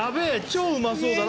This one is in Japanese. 超うまそうだ